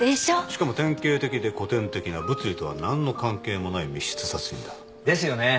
しかも典型的で古典的な物理とは何の関係もない密室殺人だ。ですよね。